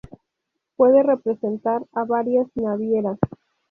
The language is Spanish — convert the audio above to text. Puede representar a varias navieras.